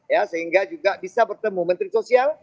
ya sehingga juga bisa bertemu menteri sosial